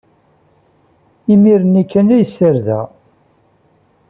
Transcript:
Imir-nni kan ay ssardeɣ.